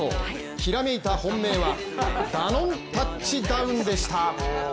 ひらめいた本命は、ダノンタッチダウンでした。